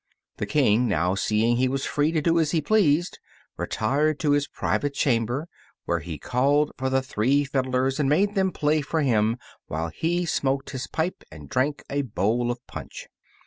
The King, now seeing he was free to do as he pleased, retired to his private chamber, where he called for the three fiddlers and made them play for him while he smoked his pipe and drank a bowl of punch.